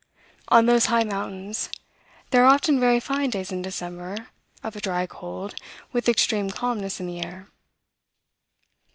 On those high mountains, there are often very fine days in December, of a dry cold, with extreme calmness in the air."